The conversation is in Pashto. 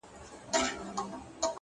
• په تعظيم ورته قاضي او وزيران سول,